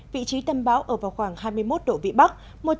vị trí tâm bão ở vào khoảng hai mươi một độ vĩ bắc